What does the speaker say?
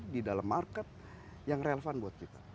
di dalam market yang relevan buat kita